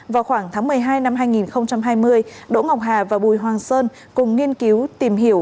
vào khoảng tháng một mươi hai năm hai nghìn hai mươi đỗ ngọc hà và bùi hoàng sơn cùng nghiên cứu tìm hiểu